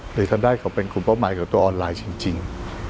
หรือทำได้เขาเป็นกลุ่มเป้าหมายกับตัวออนไลน์จริง